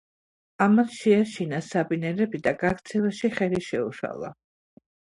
ამან შეაშინა საბინელები და გაქცევაში ხელი შეუშალა.